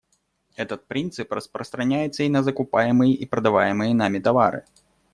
Этот принцип распространяется и на закупаемые и продаваемые нами товары.